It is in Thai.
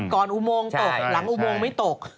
อุโมงตกหลังอุโมงไม่ตก